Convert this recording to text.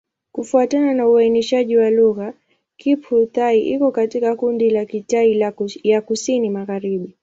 Kufuatana na uainishaji wa lugha, Kiphu-Thai iko katika kundi la Kitai ya Kusini-Magharibi.